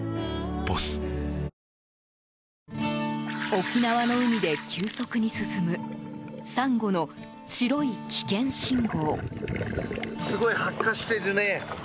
沖縄の海で急速に進むサンゴの白い危険信号。